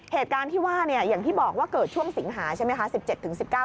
เหตุการณ์ที่ว่าเนี่ยอย่างที่บอกว่าเกิดช่วงสิงหาใช่ไหมคะ